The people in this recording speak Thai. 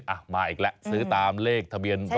มาอีกแล้วซื้อตามเลขทะเบียน